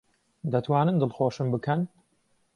دەتوانن دڵخۆشم بکەن؟